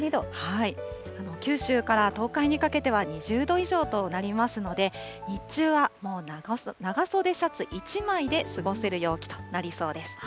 九州から東海にかけては２０度以上となりますので、日中はもう長袖シャツ１枚で過ごせる陽気となりそうです。